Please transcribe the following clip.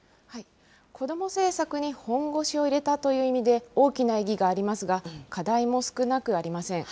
子ども政策に本腰を入れたという意味で、大きな意義がありますが、課題も少なくありません。